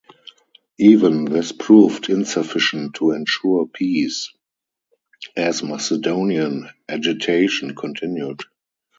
Even this proved insufficient to ensure peace, as Macedonian agitation continued.